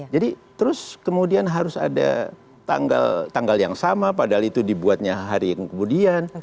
jadi terus kemudian harus ada tanggal yang sama padahal itu dibuatnya hari kemudian